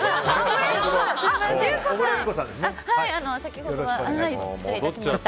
先ほどは失礼いたしました。